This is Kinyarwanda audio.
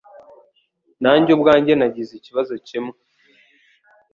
Nanjye ubwanjye nagize ikibazo kimwe